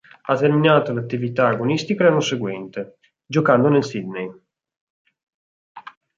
Ha terminato l'attività agonistica l'anno seguente, giocando nel Sidney.